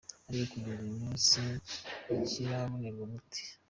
ariko kugeza uyu munsi ntikirabonerwa umuti.